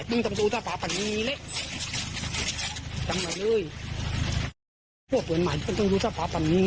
ครับก็บาดเจ็บต้องนำตัวส่งโรงพยาบาลนะฮะ